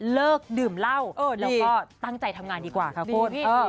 เลิกดื่มเหล้าแล้วก็ตั้งใจทำงานดีกว่าค่ะคุณ